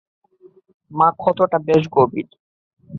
মা, ক্ষতটা বেশ গভীর!